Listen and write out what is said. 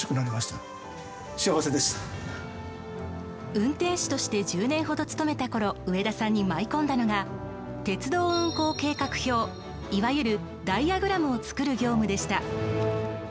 運転士として１０年ほど務めたころ上田さんに舞い込んだのが鉄道運行計画表いわゆるダイヤグラムを作る業務でした。